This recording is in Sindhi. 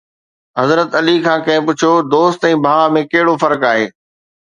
حضرت علي کان ڪنهن پڇيو: دوست ۽ ڀاءُ ۾ ڪهڙو فرق آهي؟